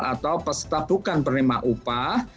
atau peserta bukan penerima upah